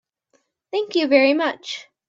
Thank you very much.